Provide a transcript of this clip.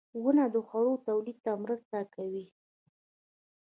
• ونه د خوړو تولید ته مرسته کوي.